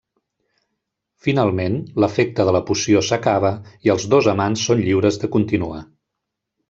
Finalment, l'efecte de la poció s'acaba i els dos amants són lliures de continuar.